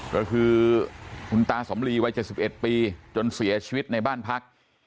ก็คือคุณตาสำลีวัย๗๑ปีจนเสียชีวิตในบ้านพัก